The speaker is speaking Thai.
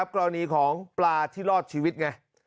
กรณีของปลาที่รอดชีวิตไง